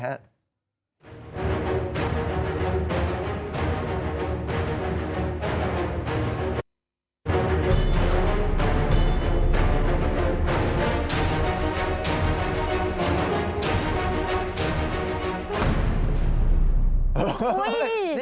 หุ้ย